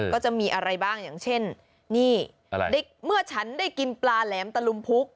ก็จะมีอะไรบ้างอย่างเช่นนี่เมื่อฉันได้กินปลาแหลมตะลุมพุก